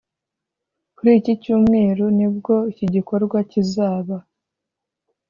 Kuri iki Cyumweru nibwo iki gikorwa kizaba